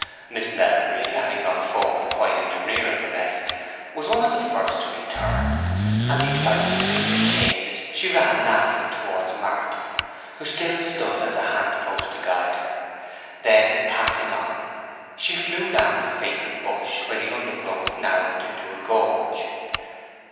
Miss Melbury, having gone forward quite in the rear of the rest, was one of the first to return, and the excitement being contagious, she ran laughing towards Marty, who still stood as a hand post to guide her; then, passing on, she flew round the fatal bush where the undergrowth narrowed to a gorge.